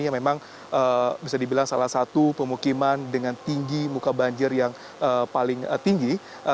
yang memang bisa dibilang salah satu pemukiman dengan tinggi muka banjir yang paling tinggi